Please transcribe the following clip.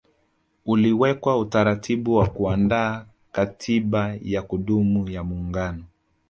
Uliwekwa utaratibu wa kuandaa katiba ya kudumu ya muungano